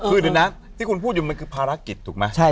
คือเดี๋ยวนะที่คุณพูดอยู่มันคือภารกิจถูกไหม